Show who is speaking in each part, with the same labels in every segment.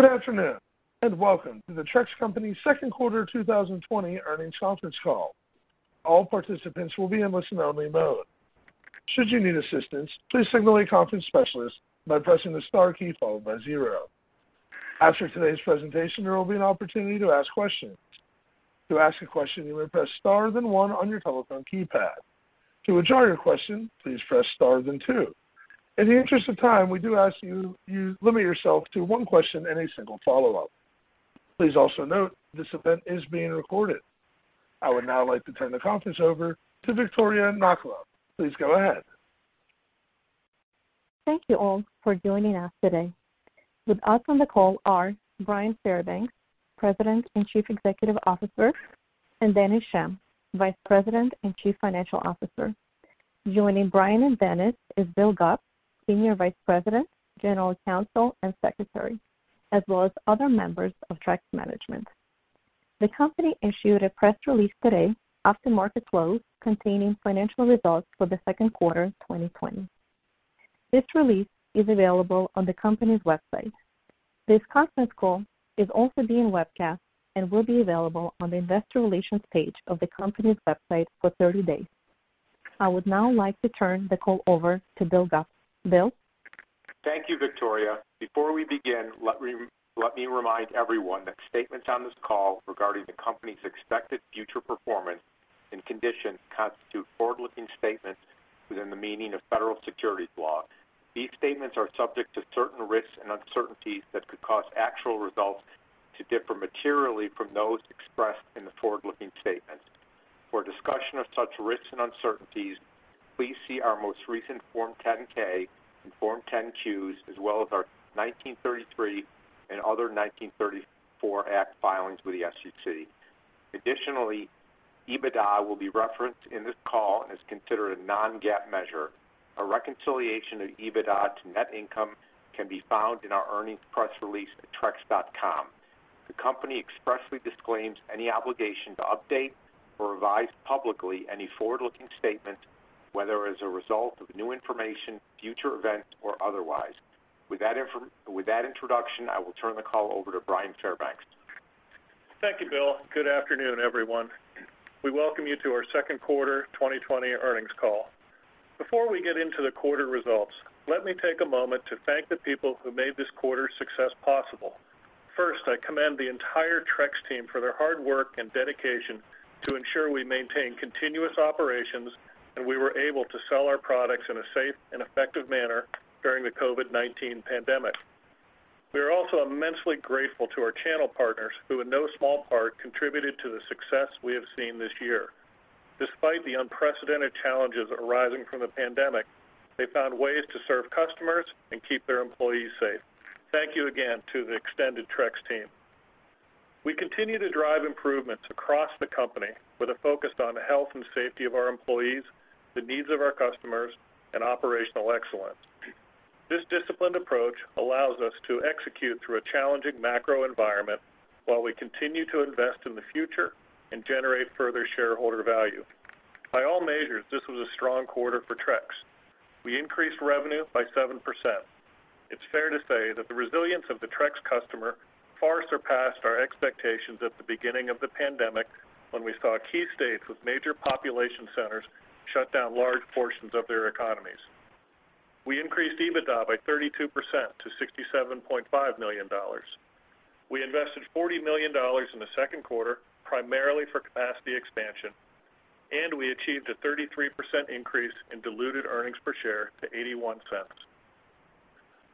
Speaker 1: Good afternoon and welcome to the Trex Company's second quarter 2020 earnings conference call. All participants will be in listen-only mode. Should you need assistance, please signal a conference specialist by pressing the star key followed by zero. After today's presentation, there will be an opportunity to ask questions. To ask a question, you may press star then one on your telephone keypad. To withdraw your question, please press star then two. In the interest of time, we do ask that you limit yourself to one question and a single follow-up. Please also note this event is being recorded. I would now like to turn the conference over to Viktoriia Nakhla. Please go ahead.
Speaker 2: Thank you all for joining us today. With us on the call are Brian Fairbanks, President and Chief Executive Officer, and Dennis Schemm, Vice President and Chief Financial Officer. Joining Brian and Dennis is Bill Gupp, Senior Vice President, General Counsel, and Secretary, as well as other members of Trex management. The company issued a press release today after market close containing financial results for the second quarter 2020. This release is available on the company's website. This conference call is also being webcast and will be available on the investor relations page of the company's website for 30 days. I would now like to turn the call over to Bill Gupp, Bill.
Speaker 3: Thank you, Viktoriia. Before we begin, let me remind everyone that statements on this call regarding the company's expected future performance and condition constitute forward-looking statements within the meaning of federal securities law. These statements are subject to certain risks and uncertainties that could cause actual results to differ materially from those expressed in the forward-looking statement. For discussion of such risks and uncertainties, please see our most recent Form 10-K and Form 10-Qs, as well as our 1933 and other 1934 Act filings with the SEC. Additionally, EBITDA will be referenced in this call and is considered a non-GAAP measure. A reconciliation of EBITDA to net income can be found in our earnings press release at trex.com. The company expressly disclaims any obligation to update or revise publicly any forward-looking statement, whether as a result of new information, future events, or otherwise. With that introduction, I will turn the call over to Brian Fairbanks.
Speaker 4: Thank you, Bill. Good afternoon, everyone. We welcome you to our second quarter 2020 earnings call. Before we get into the quarter results, let me take a moment to thank the people who made this quarter's success possible. First, I commend the entire Trex team for their hard work and dedication to ensure we maintain continuous operations and we were able to sell our products in a safe and effective manner during the COVID-19 pandemic. We are also immensely grateful to our channel partners who in no small part contributed to the success we have seen this year. Despite the unprecedented challenges arising from the pandemic, they found ways to serve customers and keep their employees safe. Thank you again to the extended Trex team. We continue to drive improvements across the company with a focus on the health and safety of our employees, the needs of our customers, and operational excellence. This disciplined approach allows us to execute through a challenging macro environment while we continue to invest in the future and generate further shareholder value. By all measures, this was a strong quarter for Trex. We increased revenue by 7%. It's fair to say that the resilience of the Trex customer far surpassed our expectations at the beginning of the pandemic when we saw key states with major population centers shut down large portions of their economies. We increased EBITDA by 32% to $67.5 million. We invested $40 million in the second quarter primarily for capacity expansion, and we achieved a 33% increase in diluted earnings per share to $0.81.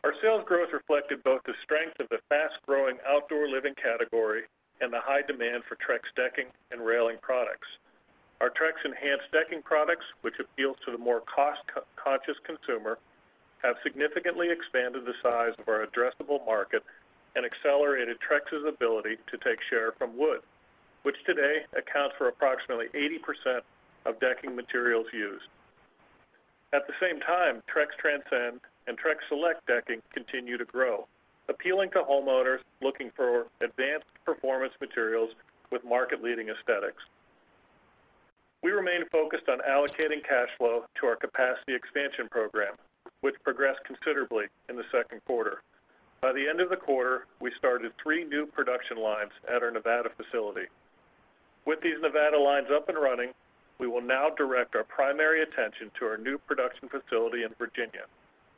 Speaker 4: Our sales growth reflected both the strength of the fast-growing outdoor living category and the high demand for Trex decking and railing products. Our Trex Enhance decking products, which appeals to the more cost-conscious consumer, have significantly expanded the size of our addressable market and accelerated Trex's ability to take share from wood, which today accounts for approximately 80% of decking materials used. At the same time, Trex Transcend and Trex Select decking continue to grow, appealing to homeowners looking for advanced performance materials with market-leading aesthetics. We remain focused on allocating cash flow to our capacity expansion program, which progressed considerably in the second quarter. By the end of the quarter, we started three new production lines at our Nevada facility. With these Nevada lines up and running, we will now direct our primary attention to our new production facility in Virginia,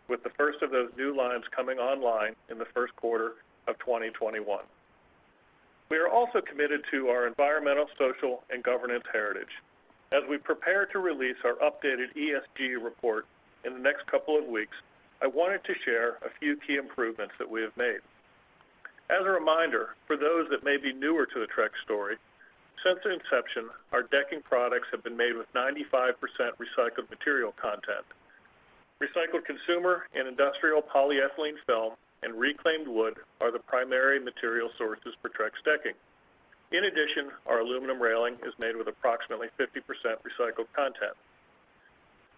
Speaker 4: with the first of those new lines coming online in the first quarter of 2021. We are also committed to our environmental, social, and governance heritage. As we prepare to release our updated ESG report in the next couple of weeks, I wanted to share a few key improvements that we have made. As a reminder, for those that may be newer to the Trex story, since inception, our decking products have been made with 95% recycled material content. Recycled consumer and industrial polyethylene film and reclaimed wood are the primary material sources for Trex decking. In addition, our aluminum railing is made with approximately 50% recycled content.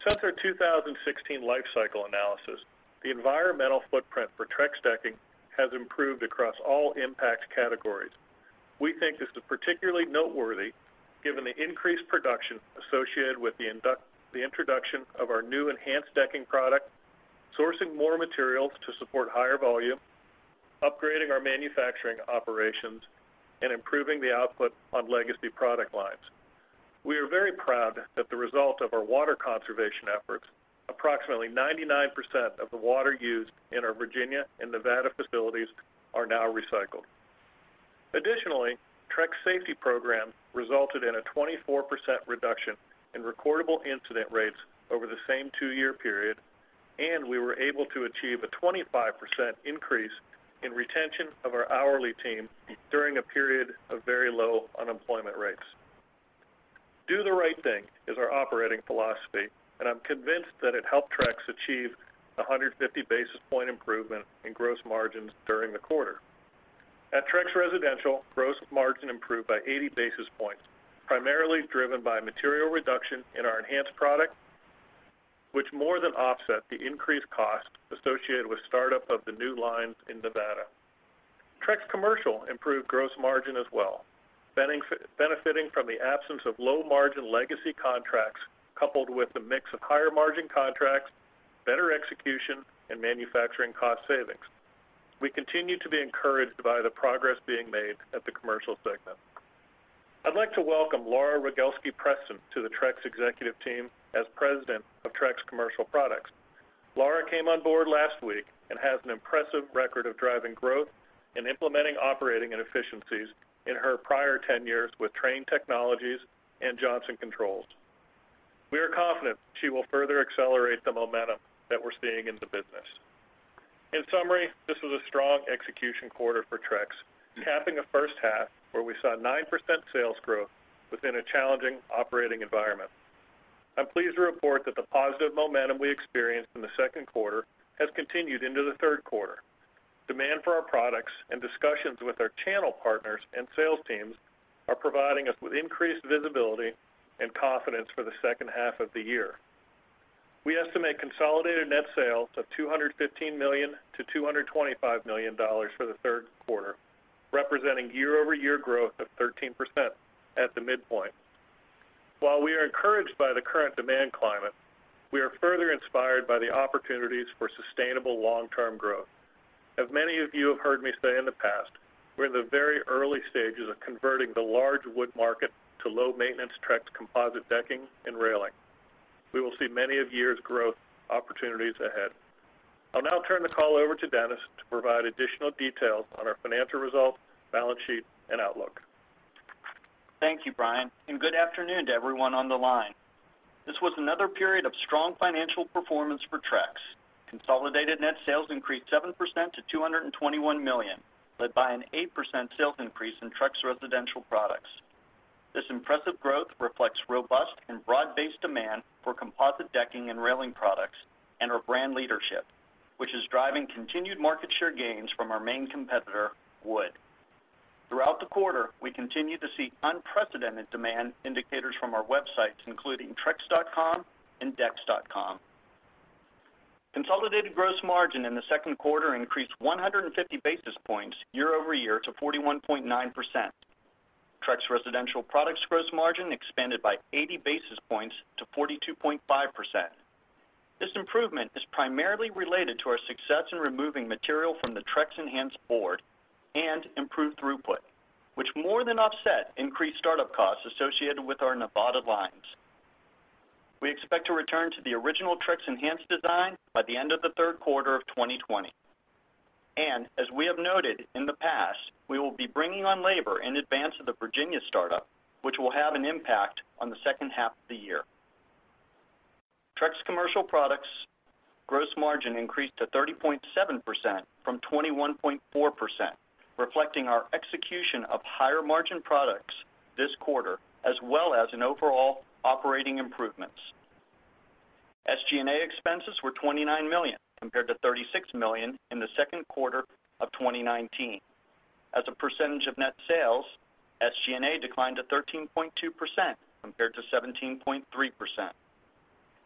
Speaker 4: Since our 2016 life cycle analysis, the environmental footprint for Trex decking has improved across all impact categories. We think this is particularly noteworthy given the increased production associated with the introduction of our new Enhanced decking product, sourcing more materials to support higher volume, upgrading our manufacturing operations, and improving the output on legacy product lines. We are very proud that the result of our water conservation efforts, approximately 99% of the water used in our Virginia and Nevada facilities, is now recycled. Additionally, the Trex safety program resulted in a 24% reduction in recordable incident rates over the same two-year period, and we were able to achieve a 25% increase in retention of our hourly team during a period of very low unemployment rates. Do the right thing is our operating philosophy, and I'm convinced that it helped Trex achieve a 150 basis point improvement in gross margins during the quarter. At Trex Residential, gross margin improved by 80 basis points, primarily driven by material reduction in our Enhanced product, which more than offset the increased cost associated with startup of the new lines in Nevada. Trex Commercial improved gross margin as well, benefiting from the absence of low-margin legacy contracts coupled with a mix of higher-margin contracts, better execution, and manufacturing cost savings. We continue to be encouraged by the progress being made at the Commercial segment. I'd like to welcome Laura Rogelski-Preston to the Trex executive team as President of Trex Commercial Products. Laura came on board last week and has an impressive record of driving growth in implementing operating and efficiencies in her prior 10 years with Trane Technologies and Johnson Controls. We are confident she will further accelerate the momentum that we're seeing in the business. In summary, this was a strong execution quarter for Trex, capping a first half where we saw 9% sales growth within a challenging operating environment. I'm pleased to report that the positive momentum we experienced in the second quarter has continued into the third quarter. Demand for our products and discussions with our channel partners and sales teams are providing us with increased visibility and confidence for the second half of the year. We estimate consolidated net sales of $215 million-$225 million for the third quarter, representing year-over-year growth of 13% at the midpoint. While we are encouraged by the current demand climate, we are further inspired by the opportunities for sustainable long-term growth. As many of you have heard me say in the past, we're in the very early stages of converting the large wood market to low-maintenance Trex composite decking and railing. We will see many years' growth opportunities ahead. I'll now turn the call over to Dennis to provide additional details on our financial results, balance sheet, and outlook.
Speaker 5: Thank you, Brian, and good afternoon to everyone on the line. This was another period of strong financial performance for Trex. Consolidated net sales increased 7% to $221 million, led by an 8% sales increase in Trex Residential products. This impressive growth reflects robust and broad-based demand for composite decking and railing products and our brand leadership, which is driving continued market share gains from our main competitor, wood. Throughout the quarter, we continue to see unprecedented demand indicators from our websites, including trex.com and trex.com. Consolidated gross margin in the second quarter increased 150 basis points year-over-year to 41.9%. Trex Residential products gross margin expanded by 80 basis points to 42.5%. This improvement is primarily related to our success in removing material from the Trex Enhance board and improved throughput, which more than offset increased startup costs associated with our Nevada lines. We expect to return to the original Trex Enhance design by the end of the third quarter of 2020. As we have noted in the past, we will be bringing on labor in advance of the Virginia startup, which will have an impact on the second half of the year. Trex Commercial Products gross margin increased to 30.7% from 21.4%, reflecting our execution of higher-margin products this quarter, as well as overall operating improvements. SG&A expenses were $29 million compared to $36 million in the second quarter of 2019. As a percentage of net sales, SG&A declined to 13.2% compared to 17.3%.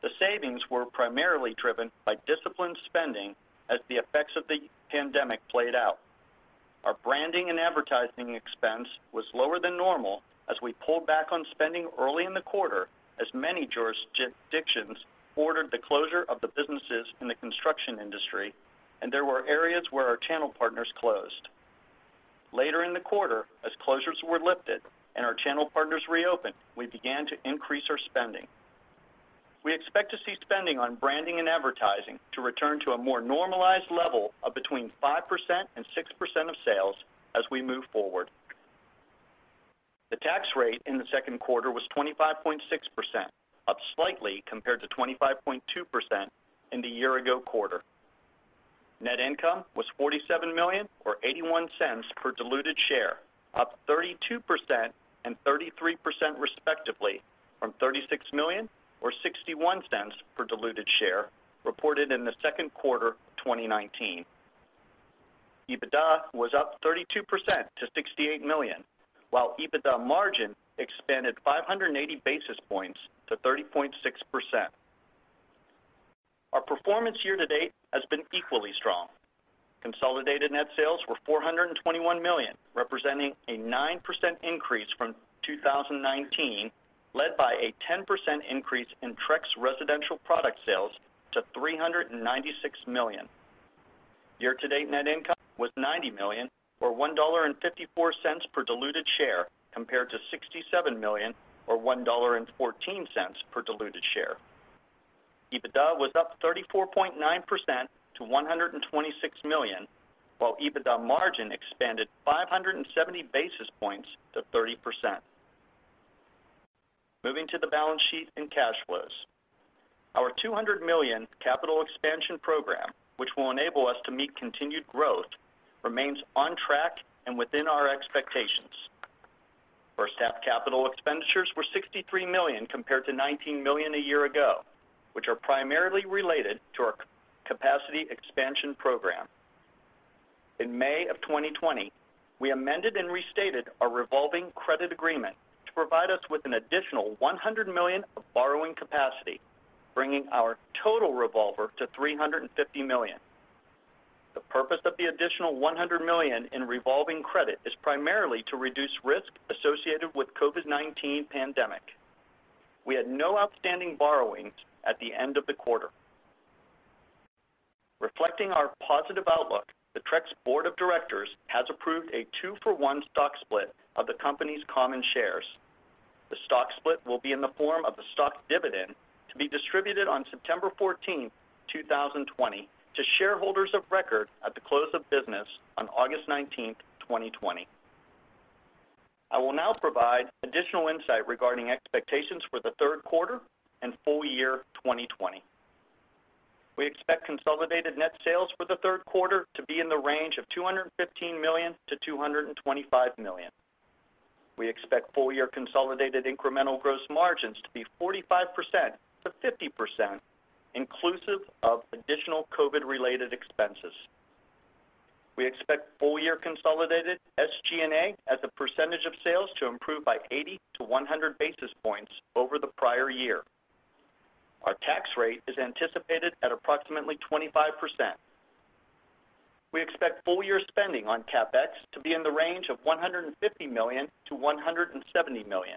Speaker 5: The savings were primarily driven by disciplined spending as the effects of the pandemic played out. Our branding and advertising expense was lower than normal as we pulled back on spending early in the quarter, as many jurisdictions ordered the closure of the businesses in the construction industry, and there were areas where our channel partners closed. Later in the quarter, as closures were lifted and our channel partners reopened, we began to increase our spending. We expect to see spending on branding and advertising to return to a more normalized level of between 5%-6% of sales as we move forward. The tax rate in the second quarter was 25.6%, up slightly compared to 25.2% in the year-ago quarter. Net income was $47 million or $0.81 per diluted share, up 32% and 33% respectively from $36 million or $0.61 per diluted share reported in the second quarter of 2019. EBITDA was up 32% to $68 million, while EBITDA margin expanded 580 basis points to 30.6%. Our performance year-to-date has been equally strong. Consolidated net sales were $421 million, representing a 9% increase from 2019, led by a 10% increase in Trex Residential product sales to $396 million. Year-to-date net income was $90 million or $1.54 per diluted share compared to $67 million or $1.14 per diluted share. EBITDA was up 34.9% to $126 million, while EBITDA margin expanded 570 basis points to 30%. Moving to the balance sheet and cash flows. Our $200 million capital expansion program, which will enable us to meet continued growth, remains on track and within our expectations. First-half capital expenditures were $63 million compared to $19 million a year ago, which are primarily related to our capacity expansion program. In May of 2020, we amended and restated our revolving credit agreement to provide us with an additional $100 million of borrowing capacity, bringing our total revolver to $350 million. The purpose of the additional $100 million in revolving credit is primarily to reduce risk associated with the COVID-19 pandemic. We had no outstanding borrowings at the end of the quarter. Reflecting our positive outlook, the Trex Board of Directors has approved a two-for-one stock split of the company's common shares. The stock split will be in the form of a stock dividend to be distributed on September 14, 2020, to shareholders of record at the close of business on August 19, 2020. I will now provide additional insight regarding expectations for the third quarter and full year 2020. We expect consolidated net sales for the third quarter to be in the range of $215 million-$225 million. We expect full year consolidated incremental gross margins to be 45%-50%, inclusive of additional COVID-related expenses. We expect full year consolidated SG&A as a percentage of sales to improve by 80-100 basis points over the prior year. Our tax rate is anticipated at approximately 25%. We expect full year spending on CapEx to be in the range of $150 million-$170 million.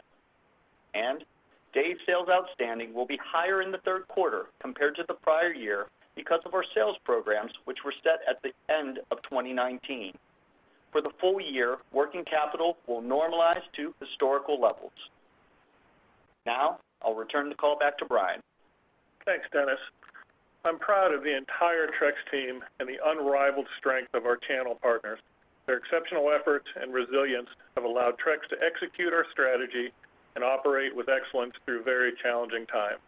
Speaker 5: Day sales outstanding will be higher in the third quarter compared to the prior year because of our sales programs, which were set at the end of 2019. For the full year, working capital will normalize to historical levels. Now, I'll return the call back to Brian.
Speaker 4: Thanks, Dennis. I'm proud of the entire Trex team and the unrivaled strength of our channel partners. Their exceptional efforts and resilience have allowed Trex to execute our strategy and operate with excellence through very challenging times.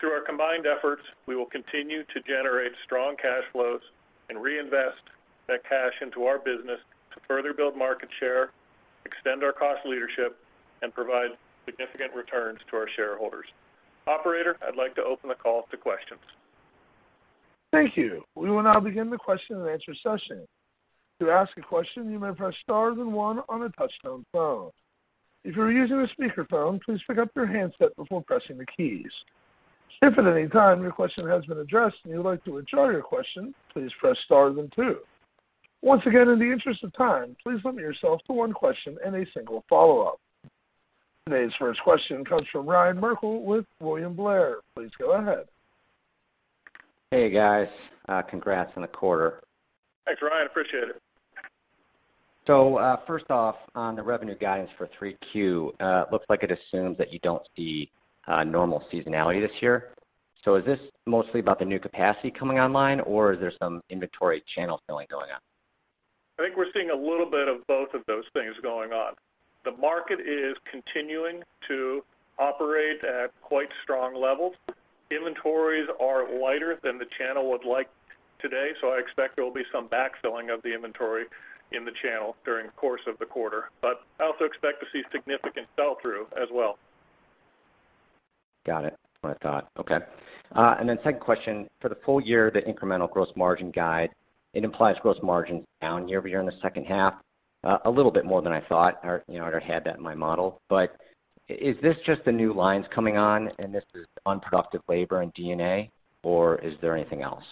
Speaker 4: Through our combined efforts, we will continue to generate strong cash flows and reinvest that cash into our business to further build market share, extend our cost leadership, and provide significant returns to our shareholders. Operator, I'd like to open the call to questions.
Speaker 1: Thank you. We will now begin the question and answer session. To ask a question, you may press star and one on a touch-tone phone. If you're using a speakerphone, please pick up your handset before pressing the keys. If at any time your question has been addressed and you'd like to withdraw your question, please press star and two. Once again, in the interest of time, please limit yourself to one question and a single follow-up. Today's first question comes from Ryan Merkel with William Blair. Please go ahead.
Speaker 6: Hey, guys. Congrats on the quarter.
Speaker 4: Thanks, Ryan. Appreciate it.
Speaker 6: First off, on the revenue guidance for three Q, it looks like it assumes that you do not see normal seasonality this year. Is this mostly about the new capacity coming online, or is there some inventory channel filling going on?
Speaker 4: I think we're seeing a little bit of both of those things going on. The market is continuing to operate at quite strong levels. Inventories are lighter than the channel would like today, so I expect there will be some backfilling of the inventory in the channel during the course of the quarter. I also expect to see significant sell-through as well.
Speaker 6: Got it. I thought, okay. And then second question, for the full year, the incremental gross margin guide, it implies gross margins down year-over-year in the second half, a little bit more than I thought. I already had that in my model. Is this just the new lines coming on, and this is unproductive labor and DNA, or is there anything else?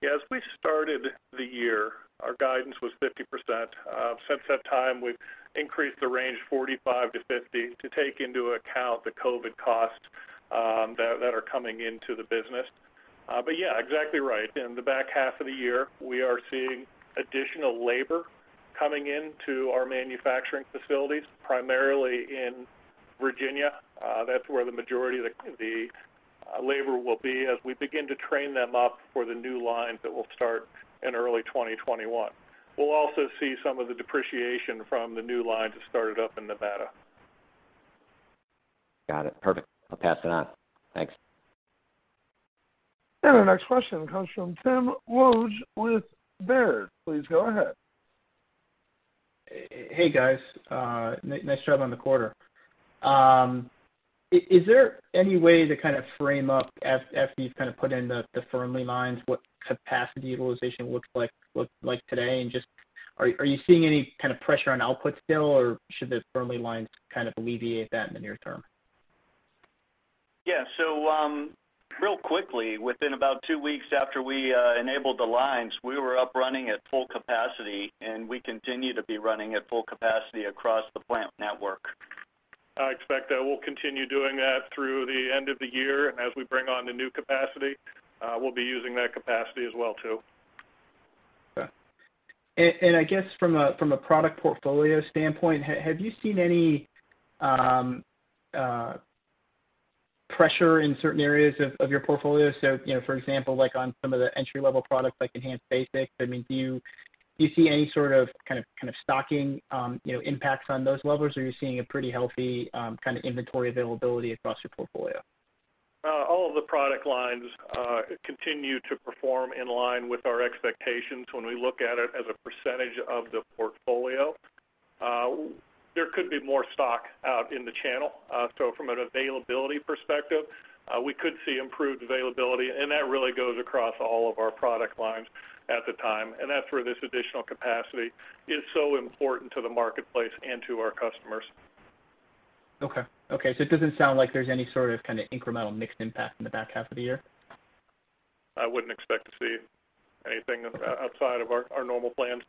Speaker 4: Yeah. As we started the year, our guidance was 50%. Since that time, we've increased the range 45%-50% to take into account the COVID costs that are coming into the business. Yeah, exactly right. In the back half of the year, we are seeing additional labor coming into our manufacturing facilities, primarily in Virginia. That's where the majority of the labor will be as we begin to train them up for the new lines that will start in early 2021. We'll also see some of the depreciation from the new lines that started up in Nevada.
Speaker 6: Got it. Perfect. I'll pass it on. Thanks.
Speaker 1: Our next question comes from Tim Woods with Baird. Please go ahead.
Speaker 7: Hey, guys. Nice job on the quarter. Is there any way to kind of frame up, after you've kind of put in the firm lines, what capacity utilization looks like today? Are you seeing any kind of pressure on output still, or should the firm lines kind of alleviate that in the near term?
Speaker 4: Yeah. Real quickly, within about two weeks after we enabled the lines, we were up running at full capacity, and we continue to be running at full capacity across the plant network. I expect that we'll continue doing that through the end of the year. As we bring on the new capacity, we'll be using that capacity as well too.
Speaker 7: Okay. I guess from a product portfolio standpoint, have you seen any pressure in certain areas of your portfolio? For example, like on some of the entry-level products like Enhance Basics, I mean, do you see any sort of kind of stocking impacts on those levels, or are you seeing a pretty healthy kind of inventory availability across your portfolio?
Speaker 4: All of the product lines continue to perform in line with our expectations when we look at it as a percentage of the portfolio. There could be more stock out in the channel. From an availability perspective, we could see improved availability. That really goes across all of our product lines at the time. That is where this additional capacity is so important to the marketplace and to our customers.
Speaker 7: Okay. Okay. It doesn't sound like there's any sort of kind of incremental mixed impact in the back half of the year?
Speaker 4: I wouldn't expect to see anything outside of our normal plans.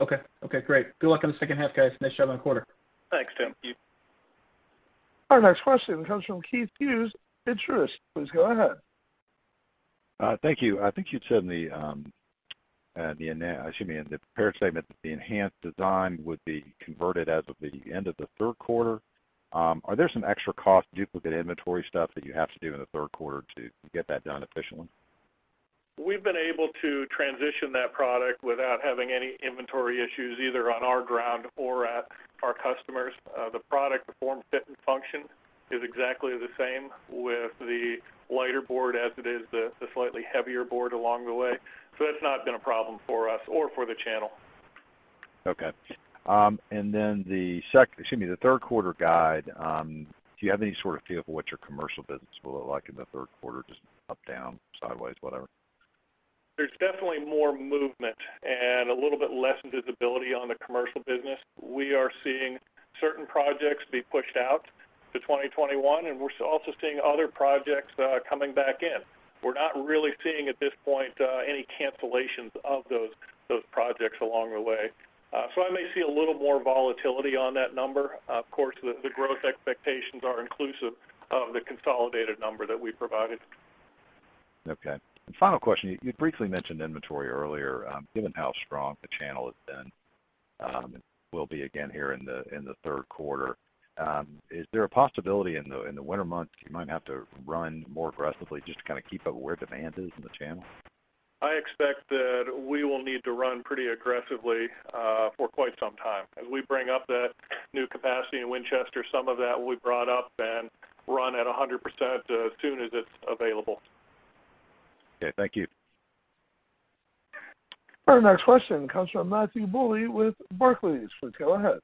Speaker 7: Okay. Okay. Great. Good luck on the second half, guys. Nice job on quarter.
Speaker 4: Thanks, Tim.
Speaker 1: Thank you. Our next question comes from Keith Hughes with Truist. Please go ahead.
Speaker 8: Thank you. I think you'd said in the, excuse me, in the parent statement that the Enhanced design would be converted as of the end of the third quarter. Are there some extra cost duplicate inventory stuff that you have to do in the third quarter to get that done efficiently?
Speaker 4: We've been able to transition that product without having any inventory issues, either on our ground or at our customers. The product form, fit, and function is exactly the same with the lighter board as it is the slightly heavier board along the way. That has not been a problem for us or for the channel.
Speaker 8: Okay. The third quarter guide, do you have any sort of feel for what your commercial business will look like in the third quarter, just up, down, sideways, whatever?
Speaker 4: There's definitely more movement and a little bit less visibility on the commercial business. We are seeing certain projects be pushed out to 2021, and we're also seeing other projects coming back in. We're not really seeing at this point any cancellations of those projects along the way. I may see a little more volatility on that number. Of course, the growth expectations are inclusive of the consolidated number that we provided.
Speaker 8: Okay. Final question. You briefly mentioned inventory earlier. Given how strong the channel has been and will be again here in the third quarter, is there a possibility in the winter months you might have to run more aggressively just to kind of keep up where demand is in the channel?
Speaker 4: I expect that we will need to run pretty aggressively for quite some time. As we bring up that new capacity in Winchester, some of that will be brought up and run at 100% as soon as it's available.
Speaker 8: Okay. Thank you.
Speaker 1: Our next question comes from Matthew Bouley with Barclays. Please go ahead.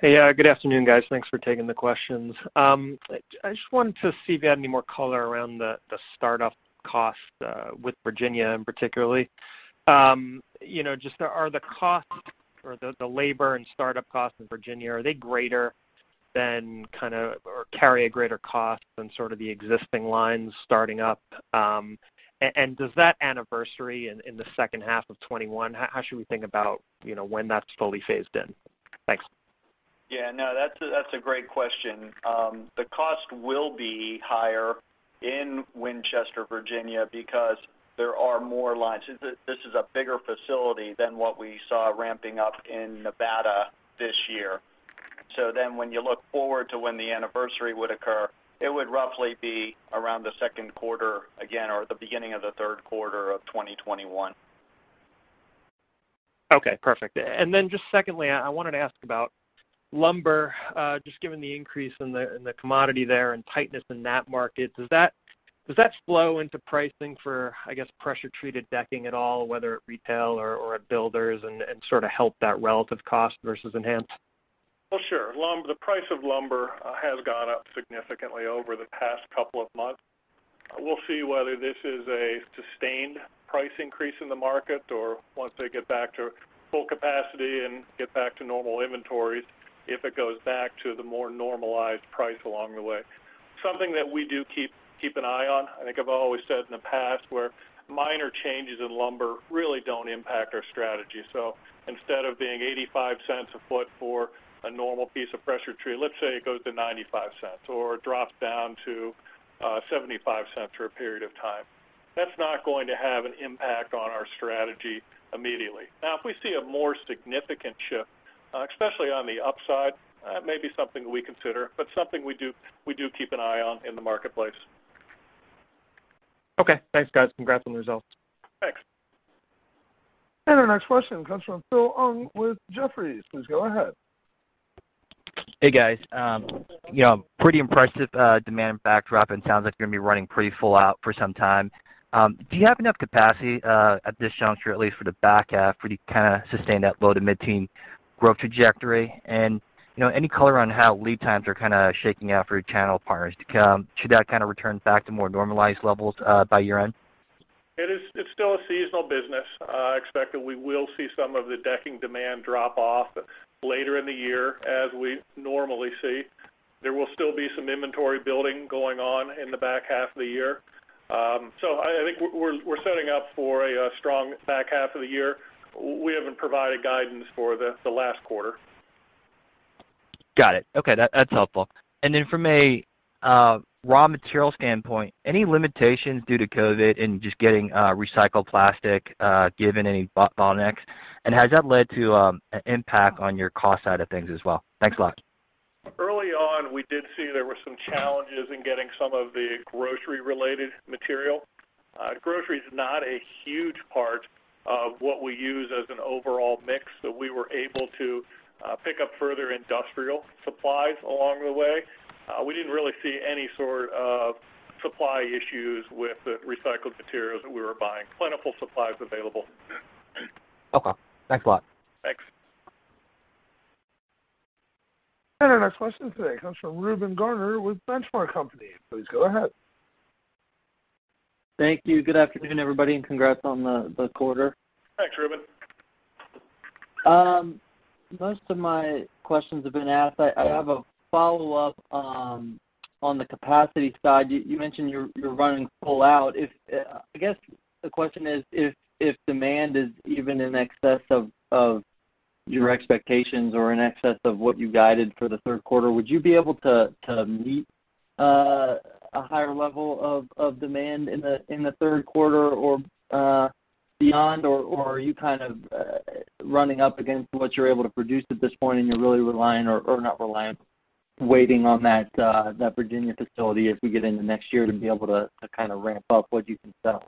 Speaker 9: Hey, good afternoon, guys. Thanks for taking the questions. I just wanted to see if you had any more color around the startup costs with Virginia in particular. Just are the costs or the labor and startup costs in Virginia, are they greater than kind of or carry a greater cost than sort of the existing lines starting up? Does that anniversary in the second half of 2021, how should we think about when that's fully phased in? Thanks.
Speaker 4: Yeah. No, that's a great question. The cost will be higher in Winchester, Virginia, because there are more lines. This is a bigger facility than what we saw ramping up in Nevada this year. When you look forward to when the anniversary would occur, it would roughly be around the second quarter again or the beginning of the third quarter of 2021.
Speaker 9: Okay. Perfect. Just secondly, I wanted to ask about lumber, just given the increase in the commodity there and tightness in that market. Does that flow into pricing for, I guess, pressure-treated decking at all, whether it's retail or at builders, and sort of help that relative cost versus Enhanced?
Speaker 4: The price of lumber has gone up significantly over the past couple of months. We'll see whether this is a sustained price increase in the market or once they get back to full capacity and get back to normal inventories, if it goes back to the more normalized price along the way. Something that we do keep an eye on, I think I've always said in the past, where minor changes in lumber really do not impact our strategy. Instead of being $0.85 a foot for a normal piece of pressure treated, let's say it goes to $0.95 or drops down to $0.75 for a period of time. That is not going to have an impact on our strategy immediately. Now, if we see a more significant shift, especially on the upside, that may be something we consider, but something we do keep an eye on in the marketplace.
Speaker 9: Okay. Thanks, guys. Congrats on the results.
Speaker 4: Thanks.
Speaker 1: Our next question comes from Phil Ng with Jefferies. Please go ahead.
Speaker 10: Hey, guys. Pretty impressive demand backdrop, and it sounds like you're going to be running pretty full out for some time. Do you have enough capacity at this juncture, at least for the back half, for you to kind of sustain that low to mid-teen growth trajectory? Any color on how lead times are kind of shaking out for your channel partners? Should that kind of return back to more normalized levels by year-end?
Speaker 4: It's still a seasonal business. I expect that we will see some of the decking demand drop off later in the year as we normally see. There will still be some inventory building going on in the back half of the year. I think we're setting up for a strong back half of the year. We haven't provided guidance for the last quarter.
Speaker 7: Got it. Okay. That's helpful. From a raw material standpoint, any limitations due to COVID and just getting recycled plastic, given any bottlenecks? Has that led to an impact on your cost side of things as well? Thanks a lot.
Speaker 4: Early on, we did see there were some challenges in getting some of the grocery-related material. Grocery is not a huge part of what we use as an overall mix, so we were able to pick up further industrial supplies along the way. We did not really see any sort of supply issues with the recycled materials that we were buying. Plentiful supplies available.
Speaker 10: Okay. Thanks a lot.
Speaker 4: Thanks.
Speaker 1: Our next question today comes from Reuben Garner with Benchmark Company. Please go ahead.
Speaker 11: Thank you. Good afternoon, everybody, and congrats on the quarter.
Speaker 4: Thanks, Reuben.
Speaker 11: Most of my questions have been asked. I have a follow-up on the capacity side. You mentioned you're running full out. I guess the question is, if demand is even in excess of your expectations or in excess of what you guided for the third quarter, would you be able to meet a higher level of demand in the third quarter or beyond, or are you kind of running up against what you're able to produce at this point, and you're really relying or not relying, waiting on that Virginia facility as we get into next year to be able to kind of ramp up what you can sell?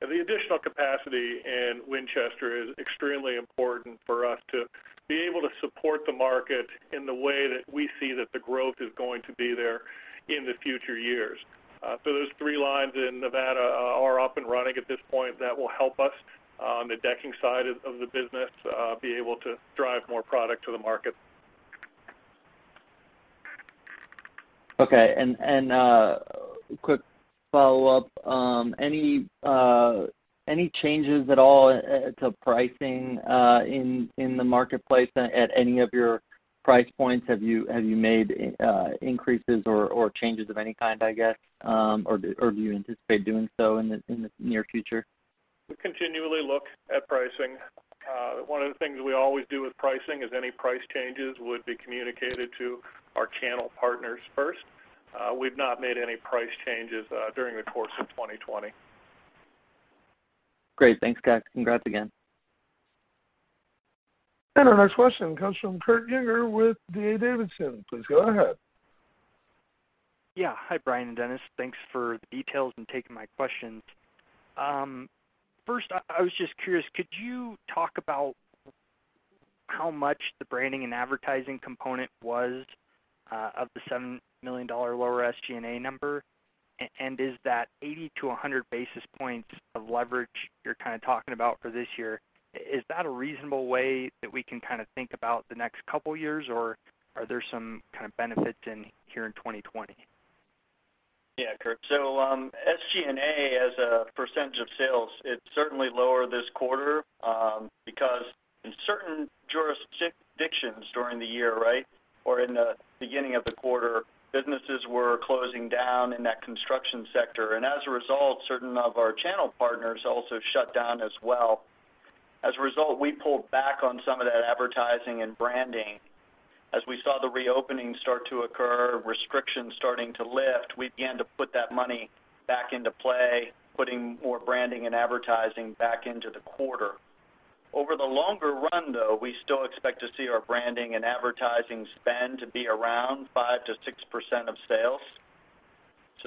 Speaker 4: The additional capacity in Winchester is extremely important for us to be able to support the market in the way that we see that the growth is going to be there in the future years. Those three lines in Nevada are up and running at this point. That will help us on the decking side of the business, be able to drive more product to the market.
Speaker 11: Okay. Quick follow-up. Any changes at all to pricing in the marketplace at any of your price points? Have you made increases or changes of any kind, I guess, or do you anticipate doing so in the near future?
Speaker 4: We continually look at pricing. One of the things we always do with pricing is any price changes would be communicated to our channel partners first. We've not made any price changes during the course of 2020.
Speaker 11: Great. Thanks, guys. Congrats again.
Speaker 1: Our next question comes from Kurt Yinger with D.A. Davidson. Please go ahead.
Speaker 12: Yeah. Hi, Brian and Dennis. Thanks for the details and taking my questions. First, I was just curious, could you talk about how much the branding and advertising component was of the $7 million lower SG&A number? Is that 80-100 basis points of leverage you're kind of talking about for this year, is that a reasonable way that we can kind of think about the next couple of years, or are there some kind of benefits in here in 2020?
Speaker 5: Yeah, Kurt. SG&A as a percentage of sales, it's certainly lower this quarter because in certain jurisdictions during the year, right, or in the beginning of the quarter, businesses were closing down in that construction sector. As a result, certain of our channel partners also shut down as well. As a result, we pulled back on some of that advertising and branding. As we saw the reopening start to occur, restrictions starting to lift, we began to put that money back into play, putting more branding and advertising back into the quarter. Over the longer run, though, we still expect to see our branding and advertising spend to be around 5%-6% of sales.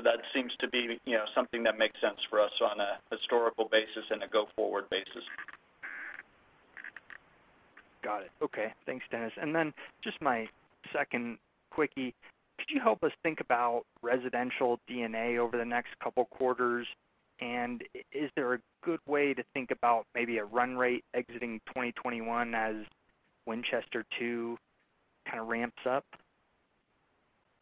Speaker 5: That seems to be something that makes sense for us on a historical basis and a go-forward basis.
Speaker 12: Got it. Okay. Thanks, Dennis. Just my second quickie, could you help us think about residential DNA over the next couple of quarters? Is there a good way to think about maybe a run rate exiting 2021 as Winchester II kind of ramps up?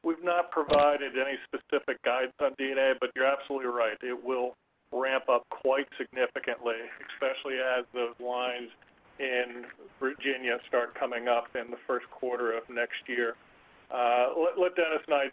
Speaker 4: We've not provided any specific guidance on DNA, but you're absolutely right. It will ramp up quite significantly, especially as those lines in Virginia start coming up in the first quarter of next year. Let Dennis and I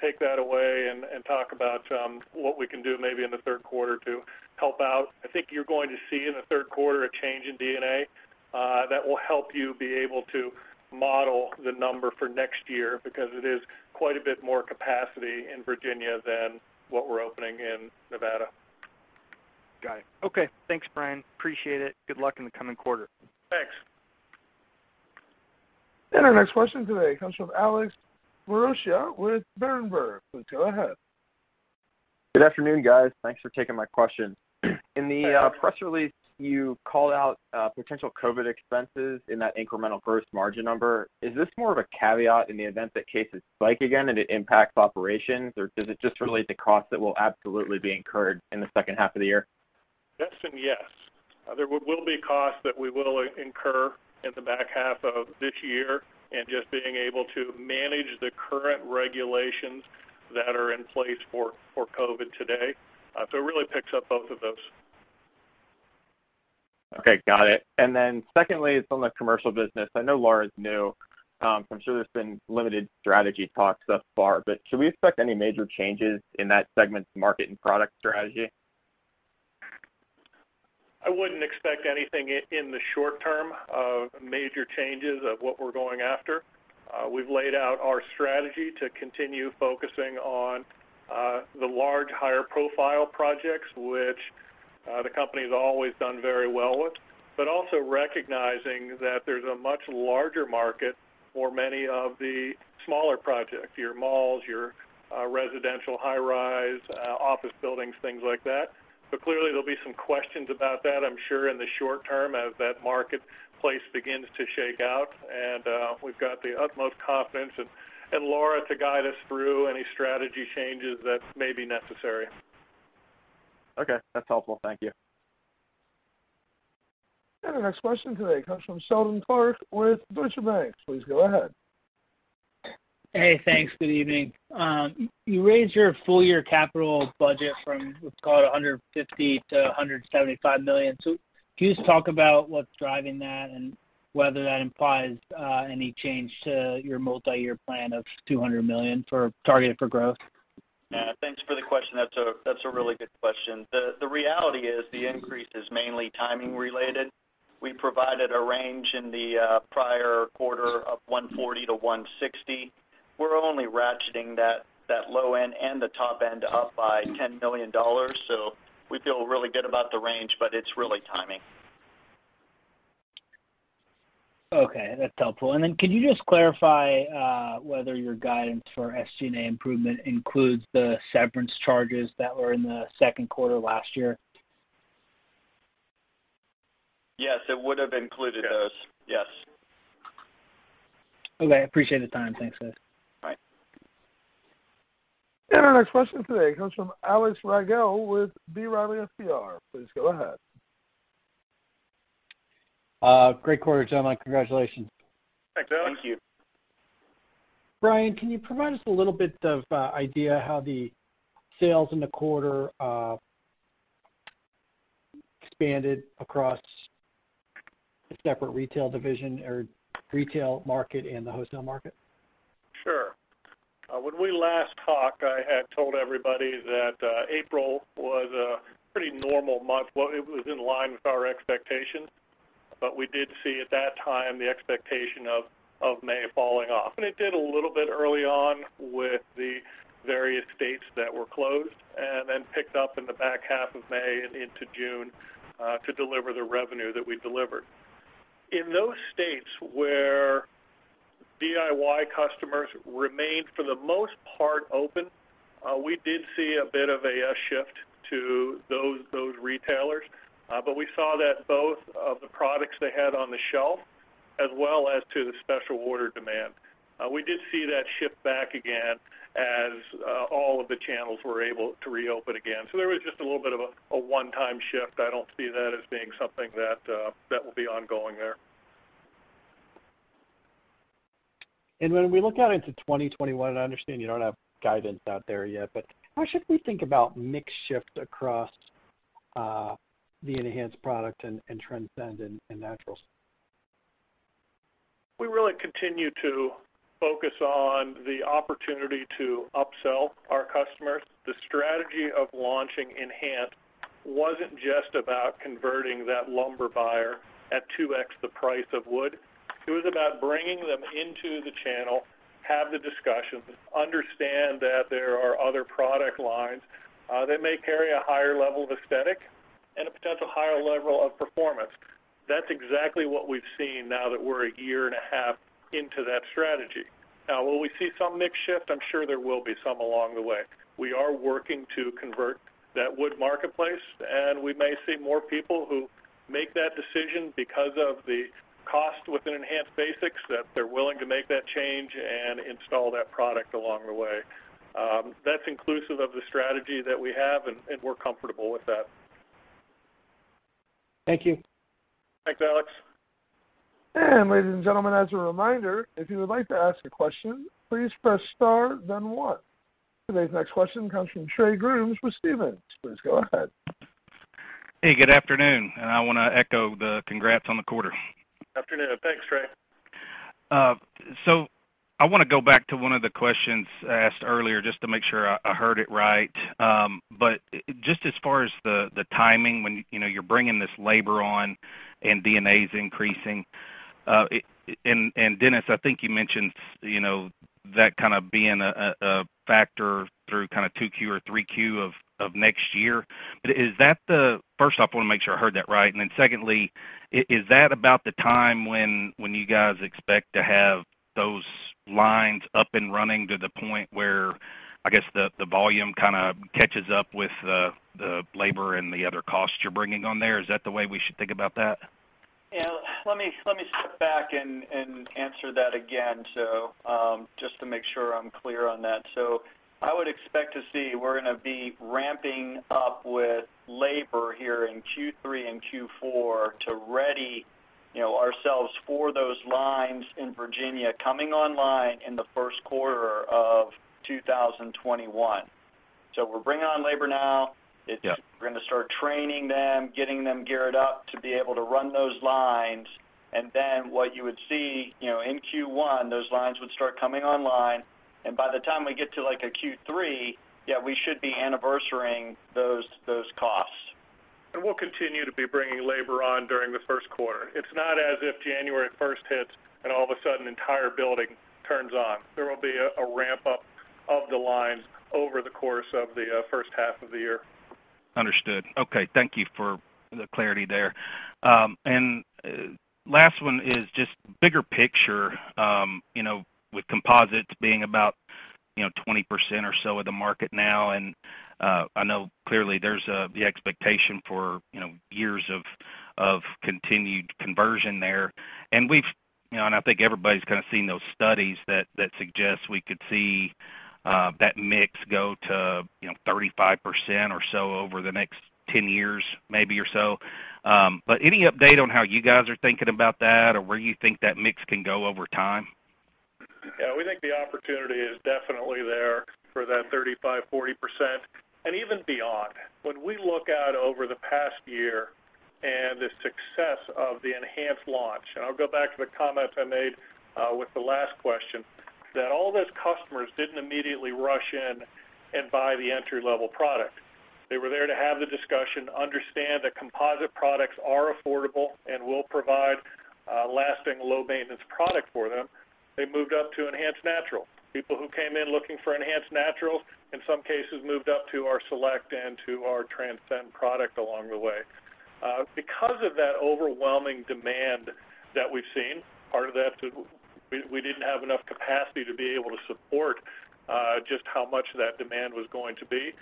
Speaker 4: take that away and talk about what we can do maybe in the third quarter to help out. I think you're going to see in the third quarter a change in DNA that will help you be able to model the number for next year because it is quite a bit more capacity in Virginia than what we're opening in Nevada.
Speaker 12: Got it. Okay. Thanks, Bryan. Appreciate it. Good luck in the coming quarter.
Speaker 4: Thanks.
Speaker 1: Our next question today comes from Alex Maroccia with Berenberg. Please go ahead.
Speaker 13: Good afternoon, guys. Thanks for taking my question. In the press release, you called out potential COVID expenses in that incremental gross margin number. Is this more of a caveat in the event that cases spike again and it impacts operations, or does it just relate to costs that will absolutely be incurred in the second half of the year?
Speaker 4: Yes and yes. There will be costs that we will incur in the back half of this year and just being able to manage the current regulations that are in place for COVID today. It really picks up both of those.
Speaker 13: Okay. Got it. Secondly, it's on the commercial business. I know Laura's new. I'm sure there's been limited strategy talks thus far, but should we expect any major changes in that segment's market and product strategy?
Speaker 4: I wouldn't expect anything in the short term of major changes of what we're going after. We've laid out our strategy to continue focusing on the large, higher-profile projects, which the company has always done very well with, but also recognizing that there's a much larger market for many of the smaller projects: your malls, your residential high-rise, office buildings, things like that. There'll be some questions about that, I'm sure, in the short term as that marketplace begins to shake out. We've got the utmost confidence in Laura to guide us through any strategy changes that may be necessary.
Speaker 13: Okay. That's helpful. Thank you.
Speaker 1: Our next question today comes from Seldon Clarke with Deutsche Bank. Please go ahead.
Speaker 14: Hey, thanks. Good evening. You raised your full-year capital budget from, let's call it, $150 million-$175 million. Can you just talk about what's driving that and whether that implies any change to your multi-year plan of $200 million targeted for growth?
Speaker 5: Yeah. Thanks for the question. That's a really good question. The reality is the increase is mainly timing-related. We provided a range in the prior quarter of $140 million-$160 million. We're only ratcheting that low end and the top end up by $10 million. We feel really good about the range, but it's really timing.
Speaker 14: Okay. That's helpful. Can you just clarify whether your guidance for SG&A improvement includes the severance charges that were in the second quarter last year?
Speaker 5: Yes. It would have included those. Yes.
Speaker 14: Okay. Appreciate the time. Thanks, guys.
Speaker 5: All right.
Speaker 1: Our next question today comes from Alex Rygiel with B. Riley Securities. Please go ahead.
Speaker 15: Great quarter, gentlemen. Congratulations.
Speaker 4: Thank you.
Speaker 5: Thank you.
Speaker 15: Brian, can you provide us a little bit of idea how the sales in the quarter expanded across the separate retail division or retail market and the wholesale market?
Speaker 4: Sure. When we last talked, I had told everybody that April was a pretty normal month. It was in line with our expectations, but we did see at that time the expectation of May falling off. It did a little bit early on with the various states that were closed and then picked up in the back half of May and into June to deliver the revenue that we delivered. In those states where DIY customers remained for the most part open, we did see a bit of a shift to those retailers, but we saw that both of the products they had on the shelf as well as to the special order demand. We did see that shift back again as all of the channels were able to reopen again. There was just a little bit of a one-time shift. I don't see that as being something that will be ongoing there.
Speaker 15: When we look out into 2021, I understand you do not have guidance out there yet, but how should we think about mixed shifts across the Enhanced product and Transcend and Natural?
Speaker 4: We really continue to focus on the opportunity to upsell our customers. The strategy of launching Enhance wasn't just about converting that lumber buyer at 2x the price of wood. It was about bringing them into the channel, have the discussions, understand that there are other product lines that may carry a higher level of aesthetic and a potential higher level of performance. That's exactly what we've seen now that we're a year and a half into that strategy. Now, will we see some mix shift? I'm sure there will be some along the way. We are working to convert that wood marketplace, and we may see more people who make that decision because of the cost with an Enhance basis that they're willing to make that change and install that product along the way. That's inclusive of the strategy that we have, and we're comfortable with that.
Speaker 15: Thank you.
Speaker 4: Thanks, Alex.
Speaker 1: Ladies and gentlemen, as a reminder, if you would like to ask a question, please press star, then one. Today's next question comes from Trey Grooms with Stephens. Please go ahead.
Speaker 16: Hey, good afternoon. I want to echo the congrats on the quarter.
Speaker 4: Afternoon. Thanks, Trey.
Speaker 16: I want to go back to one of the questions asked earlier just to make sure I heard it right. Just as far as the timing when you're bringing this labor on and SG&A is increasing. Dennis, I think you mentioned that kind of being a factor through kind of 2Q or 3Q of next year. Is that, first off, I want to make sure I heard that right. Secondly, is that about the time when you guys expect to have those lines up and running to the point where, I guess, the volume kind of catches up with the labor and the other costs you're bringing on there? Is that the way we should think about that?
Speaker 5: Yeah. Let me step back and answer that again just to make sure I'm clear on that. I would expect to see we're going to be ramping up with labor here in Q3 and Q4 to ready ourselves for those lines in Virginia coming online in the first quarter of 2021. We're bringing on labor now. We're going to start training them, getting them geared up to be able to run those lines. What you would see in Q1, those lines would start coming online. By the time we get to like a Q3, yeah, we should be anniversarying those costs. We will continue to be bringing labor on during the first quarter. It is not as if January 1 hits and all of a sudden the entire building turns on. There will be a ramp-up of the lines over the course of the first half of the year.
Speaker 16: Understood. Okay. Thank you for the clarity there. Last one is just bigger picture with composites being about 20% or so of the market now. I know clearly there's the expectation for years of continued conversion there. I think everybody's kind of seen those studies that suggest we could see that mix go to 35% or so over the next 10 years maybe or so. Any update on how you guys are thinking about that or where you think that mix can go over time?
Speaker 4: Yeah. We think the opportunity is definitely there for that 35-40%, and even beyond. When we look out over the past year and the success of the Enhanced launch, I will go back to the comments I made with the last question, that all those customers did not immediately rush in and buy the entry-level product. They were there to have the discussion, understand that composite products are affordable and will provide a lasting low-maintenance product for them. They moved up to Enhanced Natural. People who came in looking for Enhanced Naturals, in some cases, moved up to our Select and to our Transcend product along the way. Because of that overwhelming demand that we have seen, part of that is we did not have enough capacity to be able to support just how much that demand was going to be.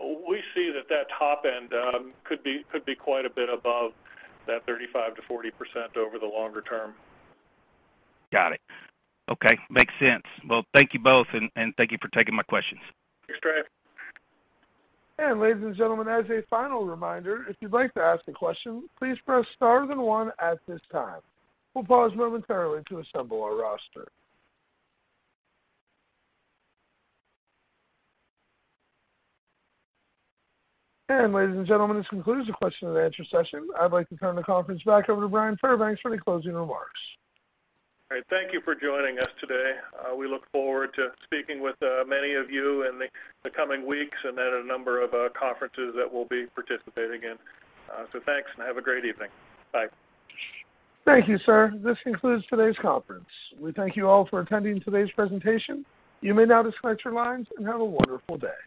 Speaker 4: We see that that top end could be quite a bit above that 35-40% over the longer term.
Speaker 16: Got it. Okay. Makes sense. Thank you both, and thank you for taking my questions.
Speaker 4: Thanks, Trey.
Speaker 1: Ladies and gentlemen, as a final reminder, if you'd like to ask a question, please press star then one at this time. We'll pause momentarily to assemble our roster. Ladies and gentlemen, this concludes the question-and-answer session. I'd like to turn the conference back over to Brian Fairbanks for the closing remarks.
Speaker 4: All right. Thank you for joining us today. We look forward to speaking with many of you in the coming weeks and at a number of conferences that we will be participating in. Thank you, and have a great evening. Bye.
Speaker 1: Thank you, sir. This concludes today's conference. We thank you all for attending today's presentation. You may now disconnect your lines and have a wonderful day.